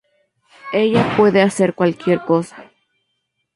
Ella puede hacer cualquier cosa.